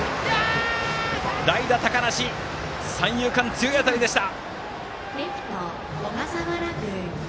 代打、高梨三遊間への強い当たりでした。